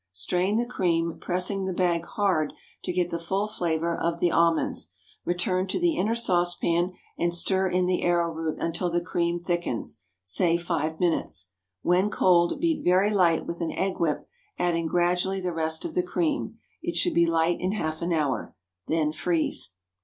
Strain the cream, pressing the bag hard to get the full flavor of the almonds, return to the inner saucepan and stir in the arrowroot until the cream thickens—say five minutes. When cold, beat very light with an egg whip, adding gradually the rest of the cream. It should be light in half an hour. Then freeze.